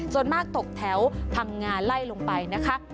ส่วนมากตกแถวพังงาไล่ลงไปนะคะ